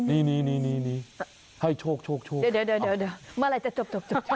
นี่ให้โชคโชคเดี๋ยวเมื่อไหร่จะจบ